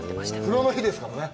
風呂の日ですからね。